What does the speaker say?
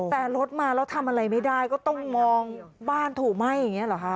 แต่รถมาแล้วทำอะไรไม่ได้ก็ต้องมองบ้านถูกไหม้อย่างนี้เหรอคะ